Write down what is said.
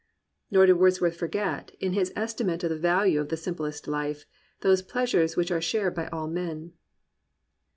Nor did Wordsworth forget, in his estimate of the value of the simplest life> those pleasures which are shared by all men.